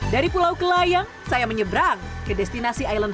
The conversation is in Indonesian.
dari pulau kelayang saya menyebrang ke destinasi island hopeless